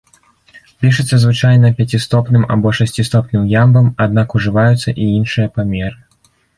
Пішацца звычайна пяцістопным або шасцістопным ямбам, аднак ужываюцца і іншыя памеры.